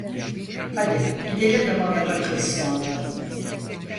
Hadi gidelim de bana rakı ısmarla!